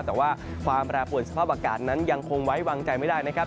แต่ว่าความแปรปวนสภาพอากาศนั้นยังคงไว้วางใจไม่ได้นะครับ